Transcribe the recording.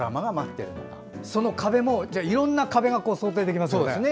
その壁も、いろんな壁が想定できますよね。